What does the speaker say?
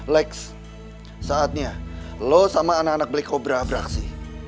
lex saatnya lu sama anak anak black cobra beraksi